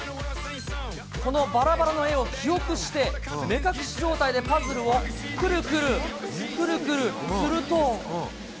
このばらばらの絵を記憶して、目隠し状態でパズルをくるくる、くるくる、すると。